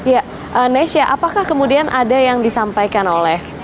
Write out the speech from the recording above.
ya nesha apakah kemudian ada yang disampaikan oleh